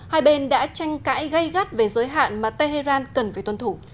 hai bên đã tranh cãi gây gắt về giới hạn mà tehran cần phải tuân thủ